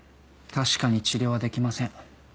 確かに治療はできません。